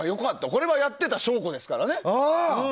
これはやってた証拠ですからね。